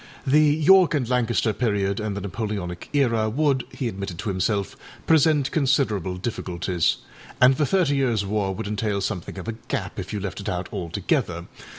The York and Lancaster period and the Napoleonic era would, he admitted to himself, present considerable difficulties, and the Thirty Yearsâ War would entail something of a gap if you left it out altogether.